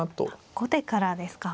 後手からですか。